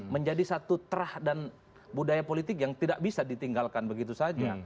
menjadi satu terah dan budaya politik yang tidak bisa ditinggalkan begitu saja